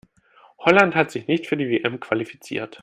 Holland hat sich nicht für die WM qualifiziert.